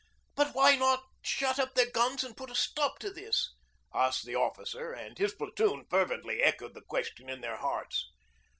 'But why not shut up their guns and put a stop to this?' asked the officer, and his platoon fervently echoed the question in their hearts.